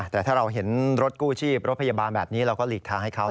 แต่ถ้าเราเห็นรถกู้ชีพรถพยาบาลแบบนี้เราก็หลีกทางให้เขา